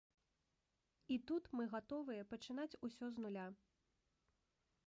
І тут мы гатовыя пачынаць усё з нуля.